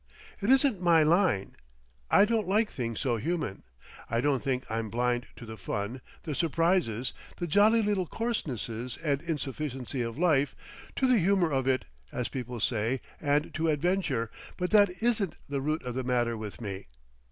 It isn't my line. I don't like things so human. I don't think I'm blind to the fun, the surprises, the jolly little coarsenesses and insufficiency of life, to the "humour of it," as people say, and to adventure, but that isn't the root of the matter with me.